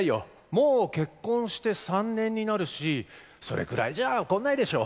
もう結婚して３年になるしそれくらいじゃ怒んないでしょ。